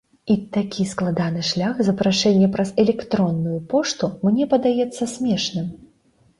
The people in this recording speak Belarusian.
І такі складаны шлях запрашэння праз электронную пошту мне падаецца смешным.